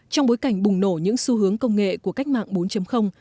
trong bối cảnh bùng nổ những xu hướng công nghệ của cách mạng bốn